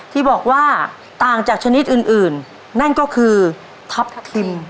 ที่บอกว่าต่างจากชนิดอื่นนั่นก็คือทัพทิม